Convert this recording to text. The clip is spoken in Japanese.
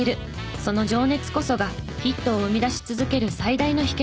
その情熱こそがヒットを生み出し続ける最大の秘訣だったのです。